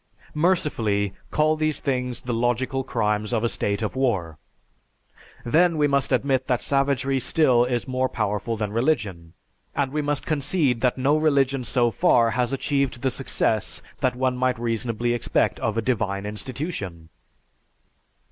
Mercifully, call these things the logical crimes of a state of war! Then we must admit that savagery still is more powerful than religion, and we must concede that no religion so far has achieved the success that one might reasonably expect of a divine institution."